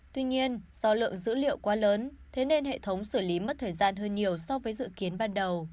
tuy nhiên do lượng dữ liệu quá lớn thế nên hệ thống xử lý mất thời gian hơn nhiều so với dự kiến ban đầu